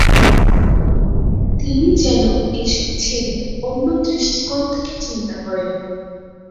তিনি যেন এসব ছেড়ে অন্য দৃষ্টিকোণ থেকে চিন্তা করেন।